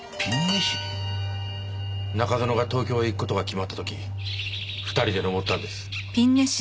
中園が東京へ行く事が決まった時２人で登ったんです。